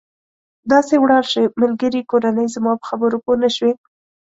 داسې ولاړ شئ، ملګري، کورنۍ، زما په خبرو پوه نه شوې.